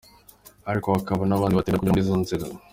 ariko hakaba n’abandi batemera kunyura muri izo nzira.